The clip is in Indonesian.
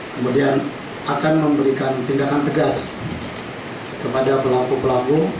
kemudian akan memberikan tindakan tegas kepada pelaku pelaku